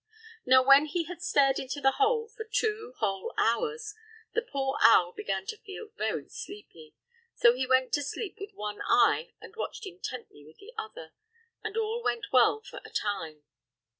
Now, when he had stared into the hole for two whole hours, the poor owl began to feel very sleepy. So he went to sleep with one eye and watched intently with the other, and all went well for a time.